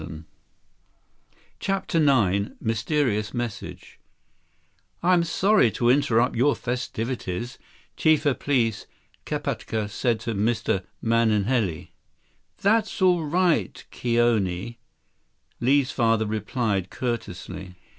61 CHAPTER IX Mysterious Message "I'm sorry to interrupt your festivities," Chief of Police Kapatka said to Mr. Mahenili. "That's all right, Kioni," Li's father replied courteously.